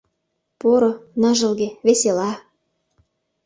Поро, ныжылге, весела.